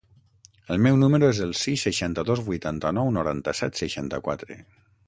El meu número es el sis, seixanta-dos, vuitanta-nou, noranta-set, seixanta-quatre.